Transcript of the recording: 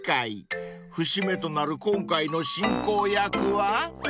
［節目となる今回の進行役は？］